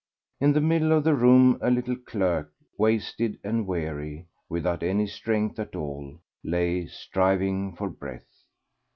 In the middle of the room a little clerk, wasted and weary, without any strength at all, lay striving for breath.